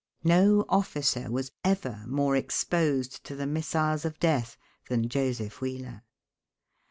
No officer was ever more exposed to the missiles of death than Joseph Wheeler.